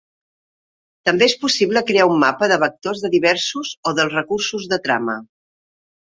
També és possible crear un mapa de vector de diversos o dels recursos de trama.